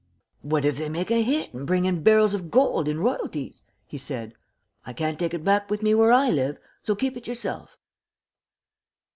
"What if they make a hit and bring in barrels of gold in royalties," he said. "I can't take it back with me where I live, so keep it yourself."